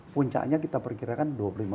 puncaknya kita perkirakan dua ribu lima puluh enam